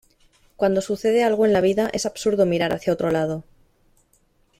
cuando sucede algo en la vida es absurdo mirar hacia otro lado